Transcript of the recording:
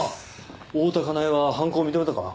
大多香苗は犯行を認めたか？